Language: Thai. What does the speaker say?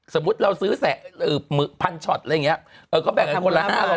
สมมุติเราตีแสดหนึ่งหมูพันช็อตอะไรเนี้ยผมก็แบ่งคนละครับ